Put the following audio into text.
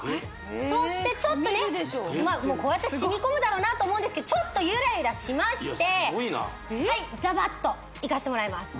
そしてちょっとねしみ込むだろうなと思うんですけどちょっとゆらゆらしましてはいザバッといかしてもらいます